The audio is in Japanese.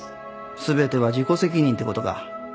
全ては自己責任ってことか。